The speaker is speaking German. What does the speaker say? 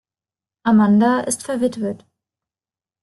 Amanda ist verwitwet.